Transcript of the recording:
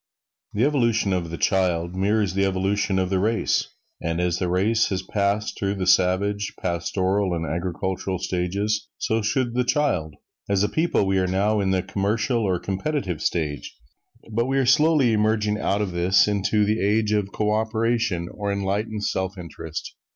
The evolution of the child mirrors the evolution of the race. And as the race has passed through the savage, pastoral and agricultural stages, so should the child. As a people we are now in the commercial or competitive stage, but we are slowly emerging out of this into the age of co operation or enlightened self interest.